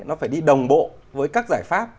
nó phải đi đồng bộ với các giải pháp